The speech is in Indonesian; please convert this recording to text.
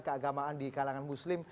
keagamaan di kalangan muslim